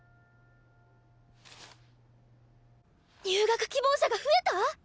入学希望者が増えた